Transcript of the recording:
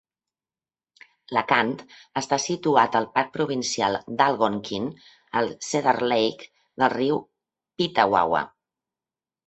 L'acant està situat al parc provincial d'Algonquin, al Cedar Lake del riu Petawawa.